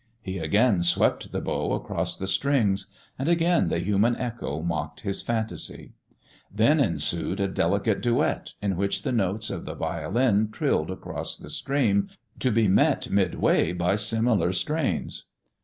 He again swept the bow across the strings; and again the human echo mocked his fantasy. Then ensued a delicate duet, in which the notes of the violin trilled across the stream, to be met midway by similar strains.